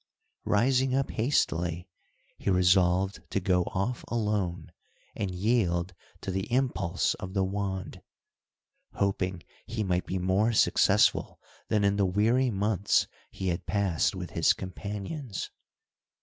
Rising up hastily, he resolved to go off alone, and yield to the impulse of the wand. Hoping he might be more successful than in the weary months he had passed with his companions.